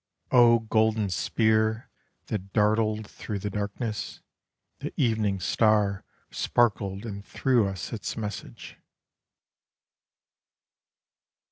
O golden spear that dartled through the darkness! The evening star sparkled and threw us its message.